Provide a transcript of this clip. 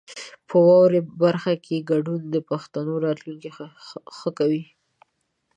په واورئ برخه کې ګډون د پښتو راتلونکی ښه کوي.